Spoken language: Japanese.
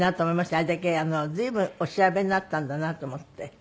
あれだけ随分お調べになったんだなと思って。